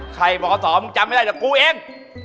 ใครบอกขอสอมึงจำไม่ได้แต่กูเอง